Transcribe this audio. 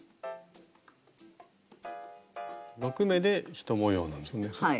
６目で１模様なんですよね。